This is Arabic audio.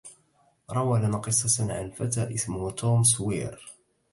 روى لنا قصة عن فتى اسمه توم سوير.